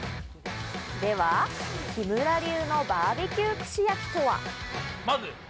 ではキムラ流のバーベキュー串焼きとは？